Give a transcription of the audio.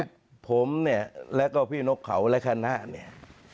ผมเนี่ยแล้วก็พี่นกเขาและคณะเนี่ย